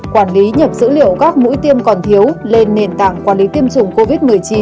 quản lý nhập dữ liệu các mũi tiêm còn thiếu lên nền tảng quản lý tiêm chủng covid một mươi chín